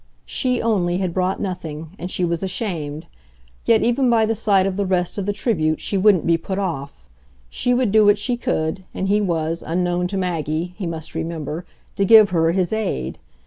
She only had brought nothing, and she was ashamed; yet even by the sight of the rest of the tribute she wouldn't be put off. She would do what she could, and he was, unknown to Maggie, he must remember, to give her his aid.